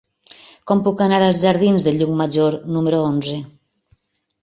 Com puc anar als jardins de Llucmajor número onze?